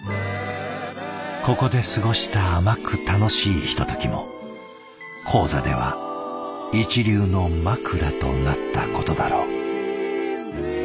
ここで過ごした甘く楽しいひとときも高座では一流のまくらとなったことだろう。